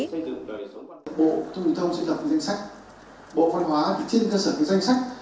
bộ thủy thông xây dựng các danh sách bộ văn hóa xây dựng các danh sách